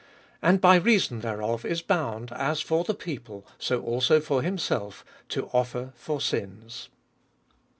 And by reason thereof is bound, as for the people, so also for himself, to offer for sins.